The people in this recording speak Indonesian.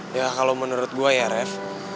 ya kalau menurut gue ya ref